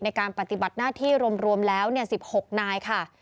ในการปฏิบัติหน้าที่รวมแล้ว๑๖นายค่ะ